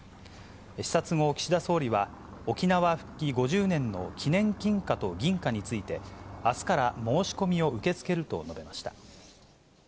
視察後、岸田総理は、沖縄復帰５０年の記念金貨と銀貨について、あすから申し込みを受け付けると述べました。